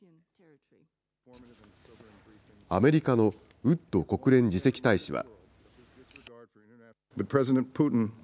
アメリカのウッド国連次席大使は。